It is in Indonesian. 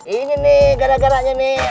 ini nih gara garanya nih